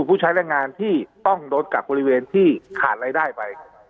ผู้ใช้แรงงานที่ต้องโดนกักบริเวณที่ขาดรายได้ไป